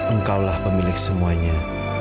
engkau lah pemilik semuanya